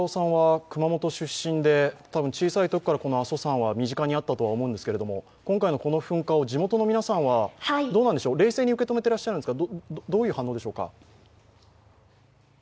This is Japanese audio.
たぶん小さいころからこの阿蘇山は身近にあったと思いますが今回の噴火を地元の皆さんは冷静に受け止めていらっしゃるんですか、どういう反応でしょうか。